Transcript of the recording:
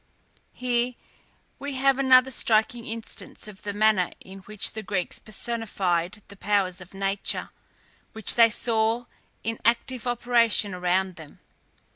Here we have another striking instance of the manner in which the Greeks personified the powers of nature, which they saw in active operation around them.